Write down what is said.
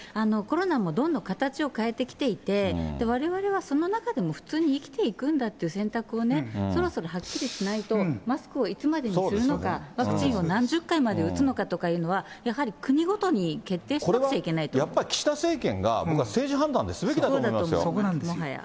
コロナもどんどん形を変えてきていて、われわれはその中でも普通に生きていくんだっていう選択をそろそろはっきりしないと、マスクをいつまでするのか、ワクチンを何十回まで打つかっていうのは、やはり国ごとに決定しこれは、やっぱり岸田政権が、僕は政治判断ですべきだと思いますよ。